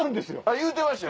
言うてましたよ。